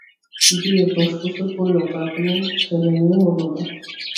বিয়ের দশ বছর পরেও তাঁর আর কোনো ছেলেমেয়ে হল না।